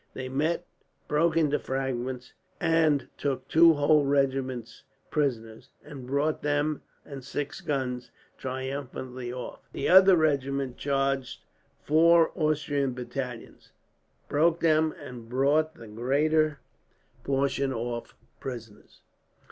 They met, broke into fragments, and took two whole regiments prisoners; and brought them and six guns triumphantly off. The other regiment charged four Austrian battalions, broke them, and brought the greater portion off, prisoners.